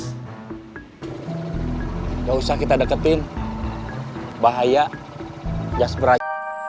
jangan usah kita deketin bahaya jas berat